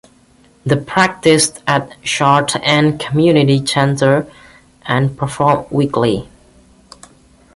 They practised at Shard End Community Centre and performed weekly.